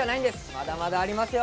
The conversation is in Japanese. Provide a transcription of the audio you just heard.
まだまだありますよ。